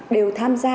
đều tham gia